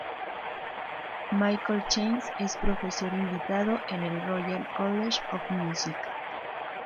Michael Chance es Profesor invitado en el Royal College of Music.